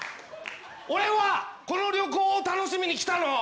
俺はこの旅行を楽しみにきたの！